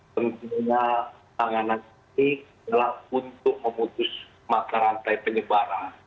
dan tentunya tanganasi adalah untuk memutus mata rantai penyebaran